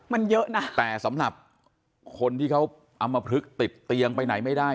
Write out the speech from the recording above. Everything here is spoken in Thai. มันเยอะนะแต่สำหรับคนที่เขาอำมพลึกติดเตียงไปไหนไม่ได้